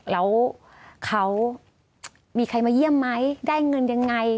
แล้วเขามีใครมาเยี่ยมไหมได้เงินยังไง